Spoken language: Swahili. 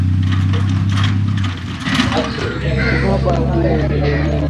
Kwa hivyo matumizi ya dawa za tiba ya mifugo katika maeneo hayo yameongezeka